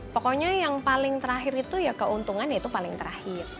pokoknya yang paling terakhir itu ya keuntungan itu paling terakhir